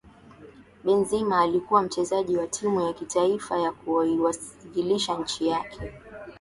Benzema alikuwa mchezaji wa timu ya taifa na kuiwakilisha nchi yake